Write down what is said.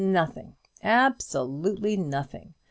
Nothing; absolutely nothing.